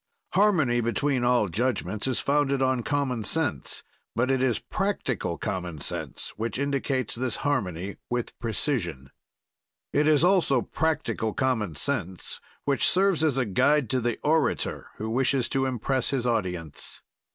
Harmony between all judgments is founded on common sense, but it is practical common sense, which indicates this harmony with precision. It is also practical common sense which serves as a guide to the orator who wishes to impress his audience.